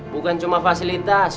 bukan cuma fasilitas